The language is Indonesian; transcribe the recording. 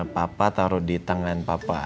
papa taruh di tangan papa